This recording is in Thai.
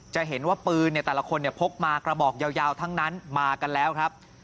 จะเห็นว่าปืนแต่ละคนพกมากระบอกยาวทั้งนั้นมากันแล้วครับ